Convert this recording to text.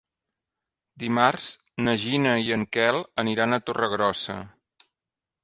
Dimarts na Gina i en Quel aniran a Torregrossa.